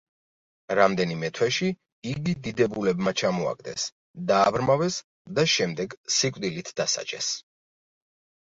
რამდენიმე თვეში იგი დიდებულებმა ჩამოაგდეს, დააბრმავეს და შემდეგ სიკვდილით დასაჯეს.